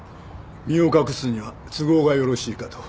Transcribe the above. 身を隠すには都合がよろしいかと。